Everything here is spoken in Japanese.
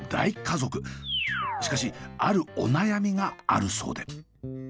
しかしあるお悩みがあるそうで。